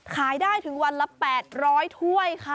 ขายได้ถึงวันละ๘๐๐ถ้วยค่ะ